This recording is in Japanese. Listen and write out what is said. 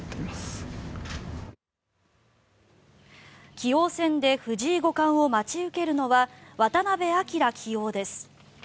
棋王戦で藤井五冠を待ち受けるのは渡辺明棋王です。